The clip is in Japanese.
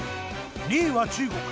２位は中国。